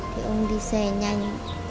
thì ông đi xe nhanh